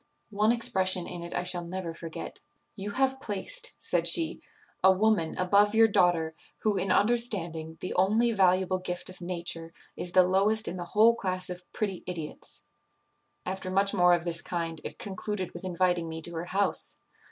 One expression in it I shall never forget. 'You have placed,' said she, 'a woman above your daughter, who, in understanding, the only valuable gift of nature, is the lowest in the whole class of pretty idiots.' After much more of this kind, it concluded with inviting me to her house.